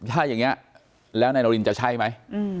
ถ้าอย่างนี้แล้วนายนารินจะใช่ไหม